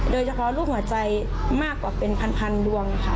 โดยเฉพาะรูปหัวใจมากกว่าเป็นพันดวงค่ะ